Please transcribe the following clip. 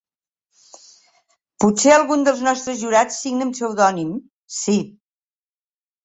Potser algun dels nostres jurats signa amb pseudònim, sí.